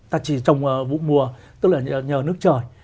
ta chỉ trồng vụ mùa tức là nhờ nước trời